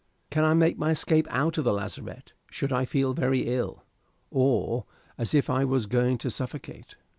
"Can I make my escape out of the lazarette should I feel very ill, or as if I was going to suffocate?"